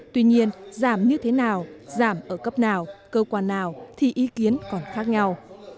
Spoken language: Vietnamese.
tuy nhiên giảm như thế nào giảm ở cấp nào cơ quan nào thì ý kiến còn khác nhau